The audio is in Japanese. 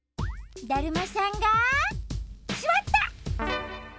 だるまさんがすわった！